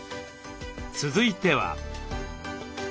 続いては。